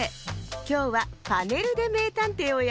きょうは「パネルでめいたんてい」をやるわよ。